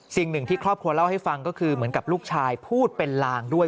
สิ่งหนึ่งที่ครอบครัวเล่าให้ฟังก็คือเหมือนกับลูกชายพูดเป็นลางด้วย